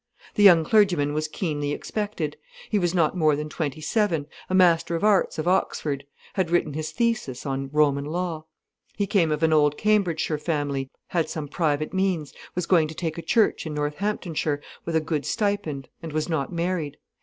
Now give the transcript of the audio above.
The young clergyman was keenly expected. He was not more than twenty seven, a Master of Arts of Oxford, had written his thesis on Roman Law. He came of an old Cambridgeshire family, had some private means, was going to take a church in Northamptonshire with a good stipend, and was not married.